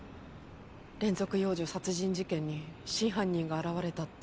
連続幼女殺人事件に真犯人が現れたって。